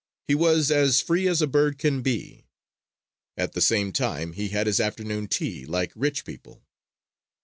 He was as free as a bird can be. At the same time he had his afternoon tea like rich people.